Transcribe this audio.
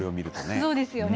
そうですよね。